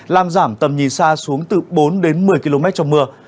làm giảm tầm nhìn xa xuống từ bốn đến một mươi km trong mưa